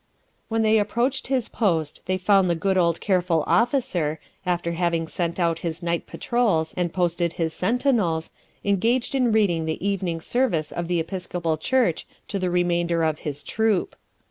When they approached his post, they found the good old careful officer, after having sent out his night patrols and posted his sentinels, engaged in reading the Evening Service of the Episcopal Church to the remainder of his troop.